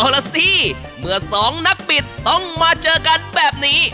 เอาล่ะสิเมื่อสองนักบิดต้องมาเจอกันแบบนี้